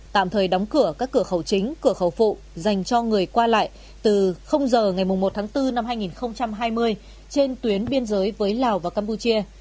tạm thời đóng cửa các cửa khẩu chính cửa khẩu phụ dành cho người qua lại từ giờ ngày một tháng bốn năm hai nghìn hai mươi trên tuyến biên giới với lào và campuchia